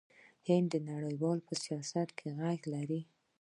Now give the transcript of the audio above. هند د نړۍ په سیاست کې غږ لري.